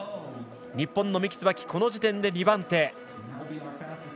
日本の三木つばきはこの時点で２番手。